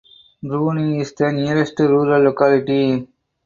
Bruny is the nearest rural locality.